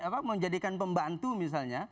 mau dijadikan pembantu misalnya